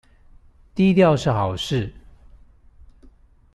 低調是好事